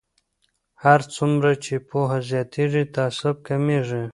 هر څومره چې پوهه زیاتیږي تعصب کمیږي.